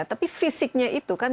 tapi fisiknya itu kan